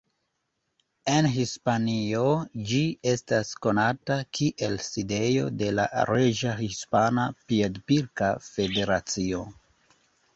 En Hispanio ĝi estas konata kiel sidejo de la Reĝa Hispana Piedpilka Federacio.